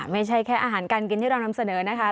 ไม่ใช่แค่อาหารการกินที่เรานำเสนอนะคะ